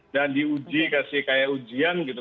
dan diuji kasih kayak ujian gitu